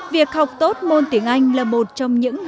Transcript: việc học tốt môn tiếng anh là một trong những hành vi